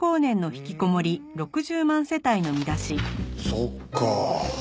そっか。